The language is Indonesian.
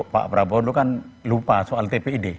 pak prabowo itu kan lupa soal tpid